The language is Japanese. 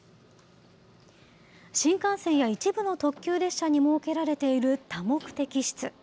新幹線や一部の特急列車に設けられている多目的室。